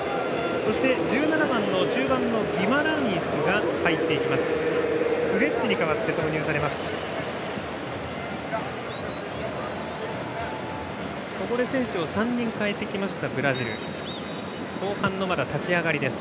そして、１７番の中盤のギマランイスが入っていきます。